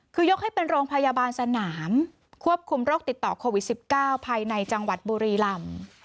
คือยกให้เป็นโรงพยาบาลสนามควบคุมโรคติดต่อโควิด๑๙ภายในจังหวัดบุรีลำ